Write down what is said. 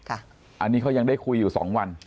อันนี้เขายังได้คุยอยู่๒วัน